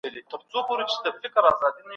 سوزېدلي کاغذونه هم اوس لوستل کېدای سی.